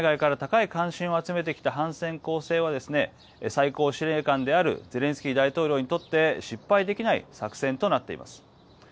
国内外から高い関心を集めてきた反転攻勢は最高司令官であるゼレンスキー大統領にとって失敗できない作戦となっています。